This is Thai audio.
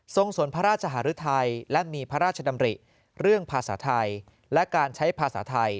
สวนพระราชหารุทัยและมีพระราชดำริเรื่องภาษาไทยและการใช้ภาษาไทย